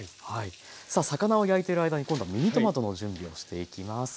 さあ魚を焼いている間に今度はミニトマトの準備をしていきます。